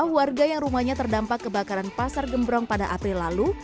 dua warga yang rumahnya terdampak kebakaran pasar gembrong pada april lalu